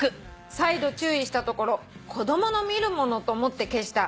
「再度注意したところ子供の見るものと思って消した」